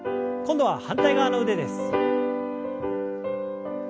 今度は反対側の腕です。